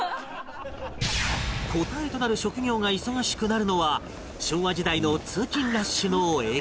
答えとなる職業が忙しくなるのは昭和時代の通勤ラッシュの駅